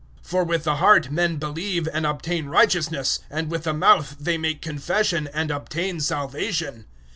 010:010 For with the heart men believe and obtain righteousness, and with the mouth they make confession and obtain salvation.